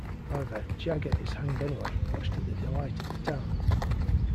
However, Jagger is hanged anyway, much to the delight of the town.